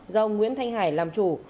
do nguyễn thanh hải làm chủ